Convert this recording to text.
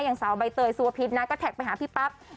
อย่างสาวใบเตยสุวพิษนะก็แท็กไปหาพี่ปั๊บ